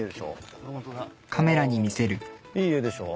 いい絵でしょ？